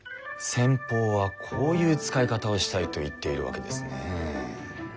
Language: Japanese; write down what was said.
先方はこういう使い方をしたいと言っているわけですね。